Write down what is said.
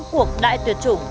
cuộc đại tuyệt chủng